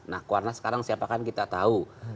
nah kuanas sekarang siapakan kita tahu